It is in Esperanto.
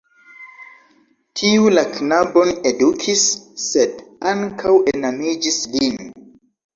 Tiu la knabon edukis, sed ankaŭ enamiĝis lin.